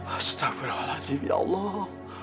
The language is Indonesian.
astaghfirullahaladzim ya allah